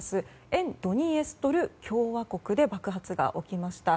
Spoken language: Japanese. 沿ドニエストル共和国で爆発が起きました。